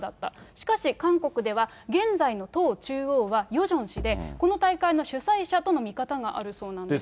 しかし、韓国では現在の党中央は、ヨジョン氏で、この大会の主催者との見方があるそうなんです。